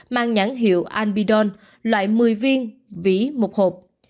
mang nhãn hiệu alpidol loại một mươi viên vỉ một hộp